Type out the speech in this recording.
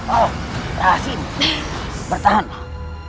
oh rahasianya bertahanlah